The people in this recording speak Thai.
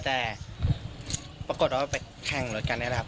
แต่ปรากฏว่าไปแข่งรถกันนี่แหละครับ